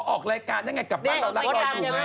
อ๋อออกรายการยังไงกลับบ้านเราแล้วร้อยถูกไง